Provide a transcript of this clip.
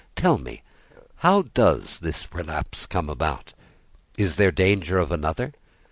Tell me, how does this relapse come about? Is there danger of another?